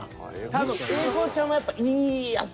多分英孝ちゃんはやっぱ言いやす。